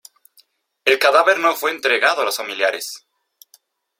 El cadáver no fue entregado a los familiares.